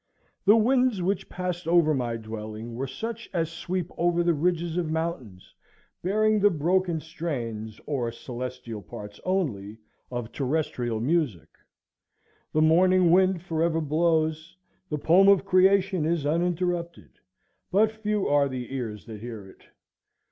The winds which passed over my dwelling were such as sweep over the ridges of mountains, bearing the broken strains, or celestial parts only, of terrestrial music. The morning wind forever blows, the poem of creation is uninterrupted; but few are the ears that hear it.